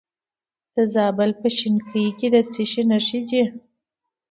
د زابل په شینکۍ کې د څه شي نښې دي؟